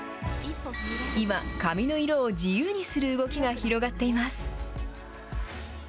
今、髪の色を自由にする動きが広がっています。